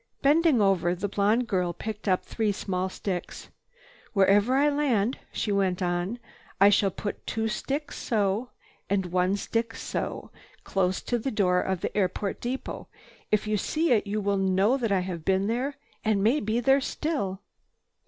Bending over, the blonde girl picked up three small sticks. "Wherever I land," she went on, "I shall put two sticks so, and one stick so, close to the door of the airport depot. If you see it you will know that I have been there and may be there still."